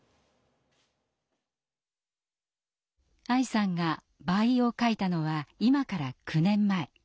愛さんが「倍」を書いたのは今から９年前。